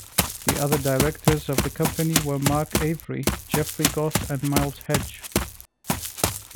The other directors of the company were Mark Avery, Jeffrey Goss and Miles Hedge.